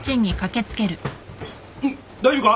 大丈夫か？